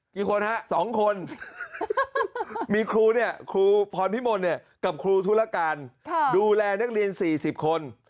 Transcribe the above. มีคนฮะสองคนมีครูนี่ครูพรพิมลกับครูธุรการดูแลนักเรียนสี่สิบคน